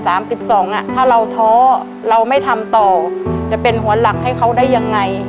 ถ้าเราท้อเราไม่ทำต่อจะเป็นหัวหลักให้เขาได้ยังไง